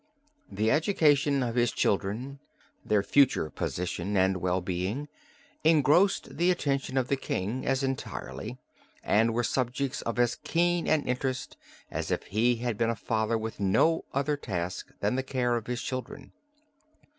"The education of his children, their future position and well being, engrossed the attention of the King as entirely, and were subjects of as keen an interest, as if he had been a father with no other task than the care of his children.